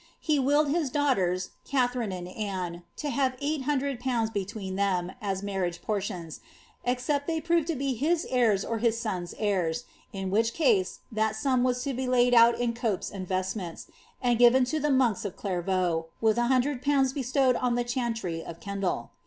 He willed his daughters, Katharine and Anne, to have eight hundred pounds between them, as marriage pordoni, except they proved to be his heirs or his son^s heirs, in which case that sum was to be laid out in copes and vestments, and nven to the monks of Clairveaux, with a hundred pounds bestowed on me chantry of Ken dal.